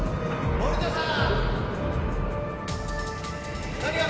森田さん！